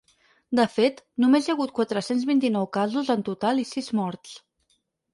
De fet, només hi ha hagut quatre-cents vint-i-nou casos en total i sis morts.